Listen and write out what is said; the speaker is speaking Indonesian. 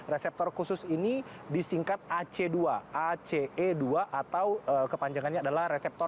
reseptor khusus ini disingkat ac dua ace dua atau kepanjangannya adalah reseptor